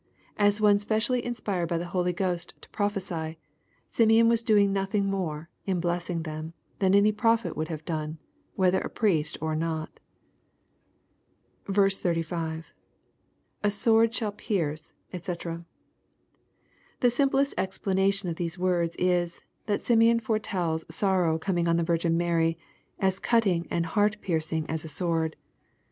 As one specially in spired by the Holy Ghost to prophesy, Simeon was doing nothing more, in blessing them, than any prophet would have done, whether a priest or not •36. — [A sword shall pierce, <fcc.] The simplest explanation of these words is, that Simeon foretells sorrow coming on the Virgin Mary, as cutting and heart piercing as a sword.